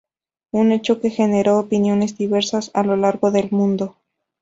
Un hecho que generó opiniones diversas a lo largo del mundo.